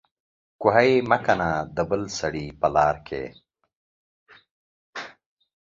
کوهي مه کنه د بل سړي په لار کې